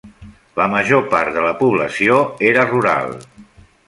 La major part de la població era rural.